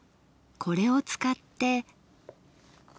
これを使って。